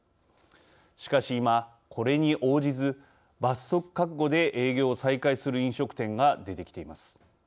しかし今、これに応じず罰則覚悟で営業を再開する飲食店が出てきています。